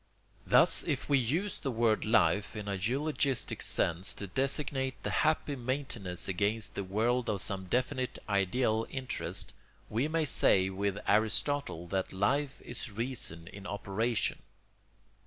] Thus if we use the word life in a eulogistic sense to designate the happy maintenance against the world of some definite ideal interest, we may say with Aristotle that life is reason in operation.